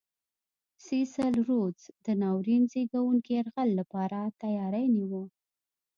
سیسل رودز د ناورین زېږوونکي یرغل لپاره تیاری نیوه.